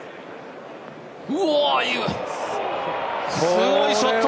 すごいショット！